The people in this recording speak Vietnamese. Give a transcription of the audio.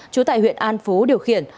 trú tại huyện an phú điều khiển